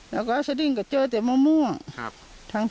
แล้วก็สดิ้งก็เจอแต่มะม่วง